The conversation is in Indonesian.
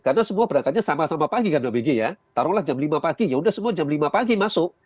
karena semua berangkatnya sama sama pagi kan mbak peggy ya taruhlah jam lima pagi ya sudah semua jam lima pagi masuk